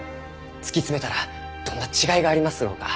突き詰めたらどんな違いがありますろうか？